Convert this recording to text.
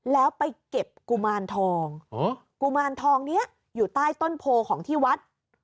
แล้วไปเก็บกุมารทองกุมารทองนี้อยู่ใต้ต้นโพของที่วัด